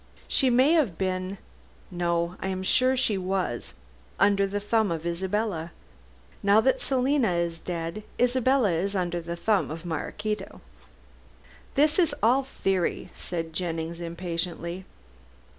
She may have been no, I am sure she was under the thumb of Isabella. Now that Selina is dead, Isabella is under the thumb of Maraquito." "This is all theory," said Jennings impatiently.